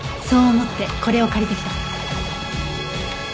そう思ってこれを借りてきた。